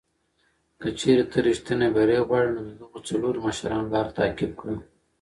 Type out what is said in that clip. که چېرې ته ریښتینی بری غواړې، نو د دغو څلورو مشرانو لاره تعقیب کړه.